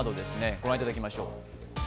御覧いただきましょう。